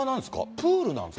プールなんですか？